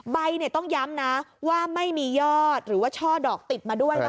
ใบต้องย้ำนะว่าไม่มียอดหรือว่าช่อดอกติดมาด้วยนะคะ